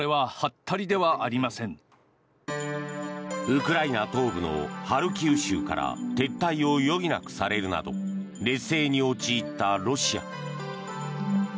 ウクライナ東部ハルキウ州から撤退を余儀なくされるなど劣勢に陥ったロシア。